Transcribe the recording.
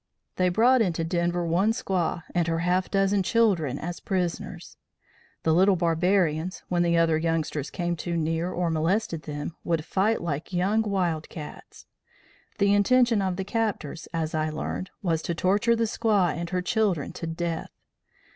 They brought into Denver one squaw and her half dozen children as prisoners. The little barbarians, when the other youngsters came too near or molested them, would fight like young wild cats. The intention of the captors, as I learned, was to torture the squaw and her children to death.